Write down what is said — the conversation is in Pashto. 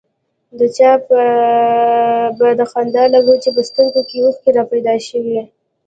د چا به د خندا له وجې په سترګو کې اوښکې را پيدا شوې.